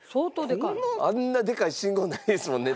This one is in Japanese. あんなでかい信号ないですもんね